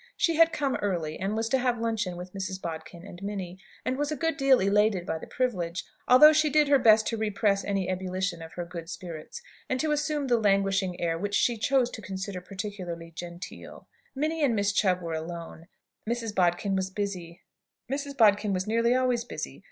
She had come early, and was to have luncheon with Mrs. Bodkin and Minnie, and was a good deal elated by the privilege, although she did her best to repress any ebullition of her good spirits, and to assume the languishing air which she chose to consider peculiarly genteel. Minnie and Miss Chubb were alone. Mrs. Bodkin was "busy." Mrs. Bodkin was nearly always "busy."